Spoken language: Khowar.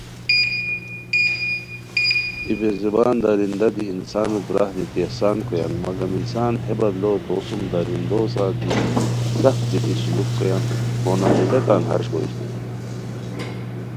ای بے زبان درندہ دی انسانوت راہ دیتی احسان کویان مگم انسان ہے بدلہ تو سوم درندو سار دی سخت بیتی سلوک کویان ہو نتیجہ تان ہݰ بوئے